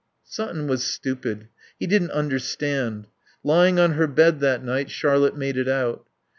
Sutton was stupid. He didn't understand. Lying on her bed that night Charlotte made it out.